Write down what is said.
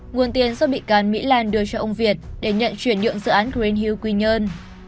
nguồn tiền do bị can mỹ lan đưa cho ông việt để nhận chuyển nhượng dự án green hilk quy nhơn